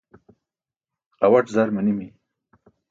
Awaṭ zar manimi.